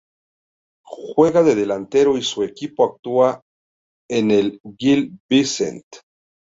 Juega de delantero y su equipo actual es el Gil Vicente.